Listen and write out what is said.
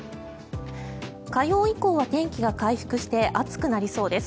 火曜以降は天気が回復して暑くなりそうです。